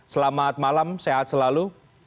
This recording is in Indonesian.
selamat malam sehat selalu